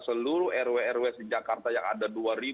seluruh rw rw di jakarta yang ada